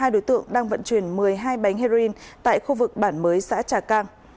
hai đối tượng đang vận chuyển một mươi hai bánh heroin tại khu vực bản mới xã trà cang